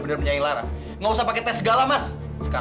ini ibu itu rupanya dosa pujian minder